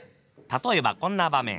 例えばこんな場面。